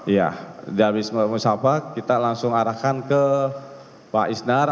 ya dari wisma musafah kita langsung arahkan ke pak isnar